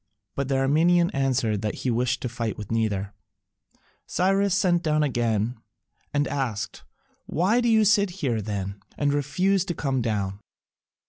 But the Armenian answered that he wished to fight with neither. Cyrus sent again and asked, "Why do you sit there, then, and refuse to come down?"